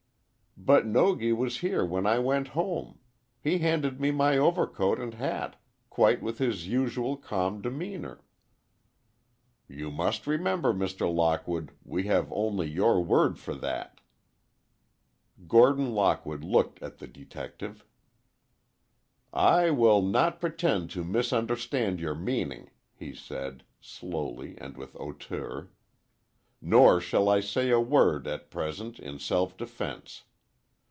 "But Nogi was here when I went home. He handed me my overcoat and hat, quite with his usual calm demeanor." "You must remember, Mr. Lockwood, we have only your word for that." Gordon Lockwood looked at the detective. "I will not pretend to misunderstand your meaning," he said, slowly and with hauteur. "Nor shall I say a word, at present, in self defence.